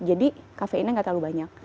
jadi kafeinnya nggak terlalu banyak